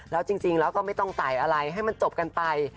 แล้วจริงแล้วก็ไม่ต้องใส่อะไรให้มันจบกันไป